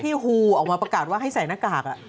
ฮูออกมาประกาศว่าให้ใส่หน้ากาก